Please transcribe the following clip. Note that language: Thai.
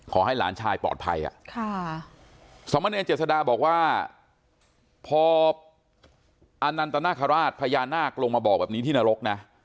ขอให้หลานชายปลอดภัยสมเนรเจษดาบอกว่าพออานันตนาคาราชพญานาคลงมาบอกแบบนี้ที่นรกนะ